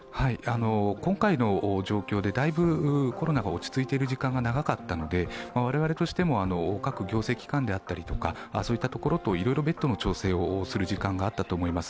今回の状況でだいぶコロナが落ち着いている時間が長かったので、我々としても、各行政機関であったりとか、そういったところといろいろベッドの調整をする時間があったと思います。